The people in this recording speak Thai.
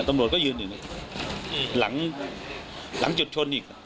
ตำรวจก็ยืนอีกหลังหลังจุดชนอีก